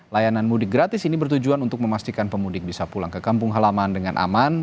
layanan mudik gratis ini bertujuan untuk memastikan pemudik bisa pulang ke kampung halaman dengan aman